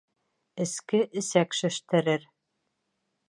Эске эсәк шештерер.